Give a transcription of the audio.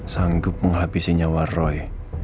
sanggup menghabisi nyawa roy